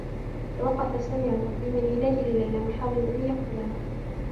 توقّف سامي عن تقديم العلاج لليلى، محاولا أن يقتلها.